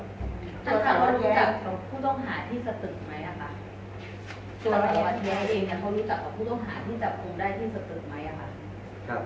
ตัวสวัสดิ์แยกเองเนี่ยเขารู้จักกับผู้ต้องหาที่จับคงได้ที่สตึกไหมนะครับ